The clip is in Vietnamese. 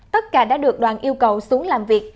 tất cả đã được đoàn yêu cầu xuống làm việc